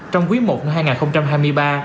trong quý i hai nghìn hai mươi ba